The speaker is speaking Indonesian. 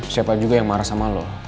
siapa juga yang marah sama lo